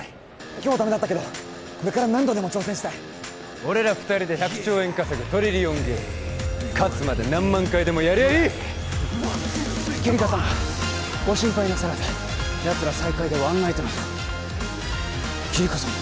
今日はダメだったけどこれから何度でも挑戦したい俺ら二人で１００兆円稼ぐトリリオンゲーム勝つまで何万回でもやりゃあいいキリカ様ご心配なさらずやつら最下位でワンナイトなどキリカ様？